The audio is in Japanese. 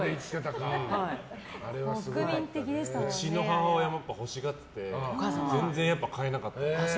うちの母親も欲しがってて全然、やっぱり買えなかった。